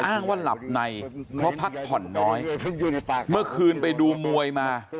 อ้างว่าหลับในเพราะพักผ่อนน้อยเมื่อคืนไปดูมวยมา